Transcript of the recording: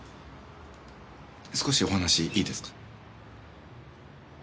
少しお話いいですか？